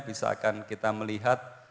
bisa akan kita melihat